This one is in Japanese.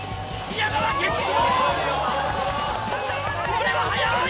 これは速い！